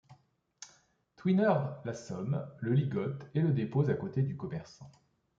Tweener l'assomme, le ligote et le dépose à côté du commerçant.